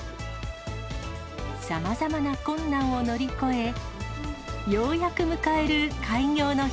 さまざまな困難を乗り越え、ようやく迎える開業の日。